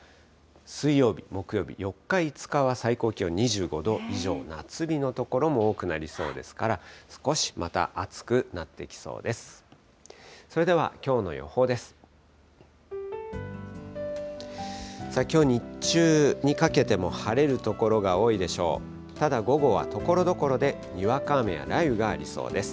水曜日、木曜日、４日、５日は最高気温２５度以上、夏日の所も多くなりそうですから、少しまた暑くなってきそうです。